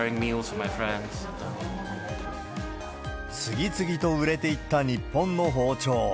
次々と売れていった日本の包丁。